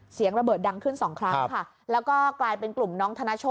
เสียงระเบิดดังขึ้นสองครั้งค่ะแล้วก็กลายเป็นกลุ่มน้องธนโชค